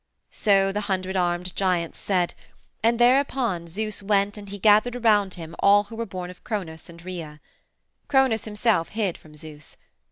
So the hundred armed giants said, and thereupon Zeus went and he gathered around him all who were born of Cronos and Rhea. Cronos himself hid from Zeus.